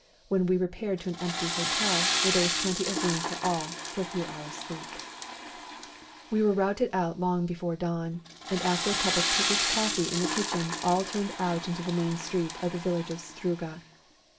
when we repaired to an empty hotel, where there was plenty of room for all, for a few hours' sleep. GOOD BYE TO SERBIA 113 We were routed out long before dawn, and after a cup of Turkish coffee in the kitchen all turned out into the main street of the village of Struga.